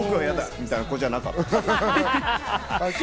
みたいな子じゃなかったです。